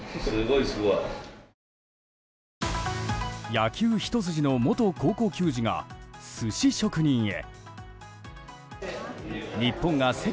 野球ひと筋の元高校球児が寿司職人へ。